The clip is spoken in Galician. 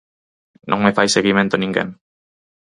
Non me fai seguimento ninguén.